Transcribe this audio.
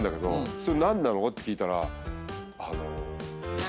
それ何なの？って聞いたら。